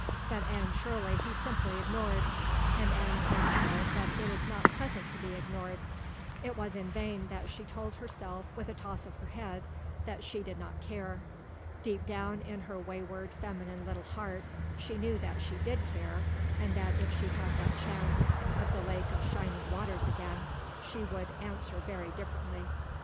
But Anne Shirley he simply ignored, and Anne found out that it is not pleasant to be ignored. It was in vain that she told herself with a toss of her head that she did not care. Deep down in her wayward, feminine little heart she knew that she did care, and that if she had that chance of the Lake of Shining Waters again she would answer very differently.